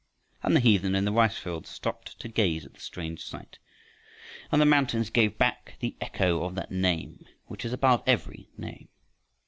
And the heathen in the rice fields stopped to gaze at the strange sight, and the mountains gave back the echo of that Name which is above every name.